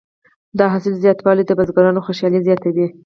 د حاصل زیاتوالی د بزګرانو خوشحالي زیاته وي.